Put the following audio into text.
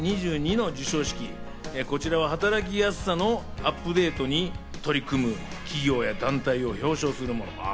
こちらは働きやすさのアップデートに取り組む企業や団体を表彰するもの。